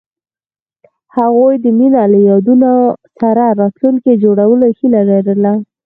هغوی د مینه له یادونو سره راتلونکی جوړولو هیله لرله.